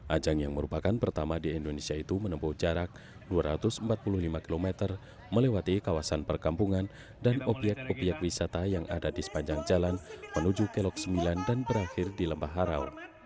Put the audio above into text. ajang yang merupakan pertama di indonesia itu menempuh jarak dua ratus empat puluh lima km melewati kawasan perkampungan dan obyek obyek wisata yang ada di sepanjang jalan menuju kelok sembilan dan berakhir di lembah harau